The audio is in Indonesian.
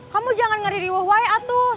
kamu jangan ngeri di wuh wai a too